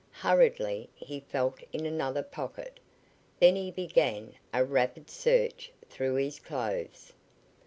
Hurriedly he felt in another pocket. Then he began a rapid search through his clothes.